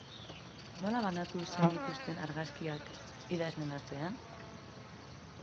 Nola banatu zenituzten argazkiak idazleen artean?